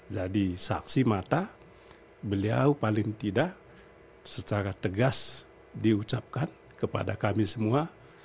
jadi saksi mata beliau paling tidak secara tegas diucapkan kepada kami semua